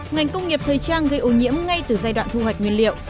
ngành công nghiệp thời trang gây ô nhiễm ngay từ giai đoạn thu hoạch nguyên liệu